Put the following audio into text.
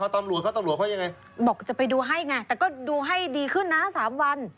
แต่ก็ดูให้ดีขึ้นนะที่สามวัน